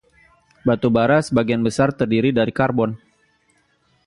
Batu bara sebagian besar terdiri dari karbon.